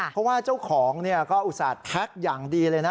เพราะว่าเจ้าของก็อุตส่าห์แพ็คอย่างดีเลยนะ